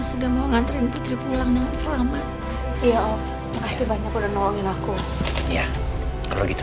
sudah mau ngantriin putri pulang dengan selamat iya makasih banyak udah nolongin aku ya kalau gitu